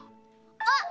あっ！